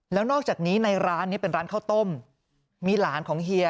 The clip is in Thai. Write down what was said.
แล้วนอกจากนี้ในร้านนี้เป็นร้านข้าวต้มมีหลานของเฮีย